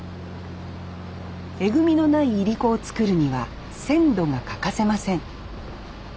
えぐみのないいりこを作るには鮮度が欠かせません